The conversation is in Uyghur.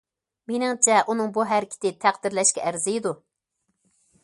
مېنىڭچە ئۇنىڭ بۇ ھەرىكىتى تەقدىرلەشكە ئەرزىيدۇ.